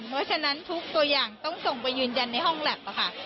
เพราะฉะนั้นทุกตัวอย่างต้องส่งไปยืนยันในห้องแล็บค่ะ